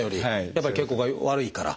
やっぱり血行が悪いから？